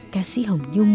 ca sĩ hồng nhung